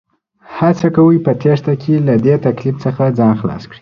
هڅه کوي په تېښته له دې تکليف ځان خلاص کړي